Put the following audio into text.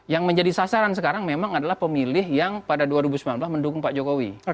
yang menjadi sasaran sekarang memang adalah pemilih yang pada dua ribu sembilan belas mendukung pak jokowi